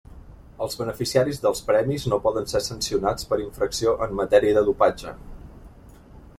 Els beneficiaris dels premis no poden ser sancionats per infracció en matèria de dopatge.